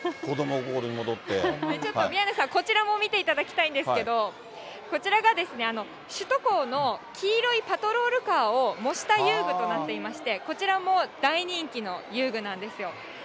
ちょっと宮根さん、こちらも見ていただきたいんですけど、こちらが、首都高の黄色いパトロールカーを模した遊具となっておりまして、こちらも大人気の遊具なんですよ。